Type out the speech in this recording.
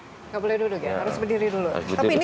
tidak boleh duduk ya harus berdiri dulu